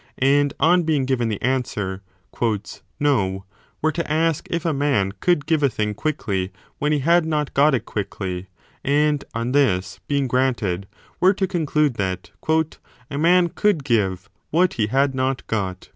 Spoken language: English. and, on being given the answer No , were to ask if a man could give a thing quickly when he had not got it quickly, and, on this being granted, were to conclude that a man could give what he had not got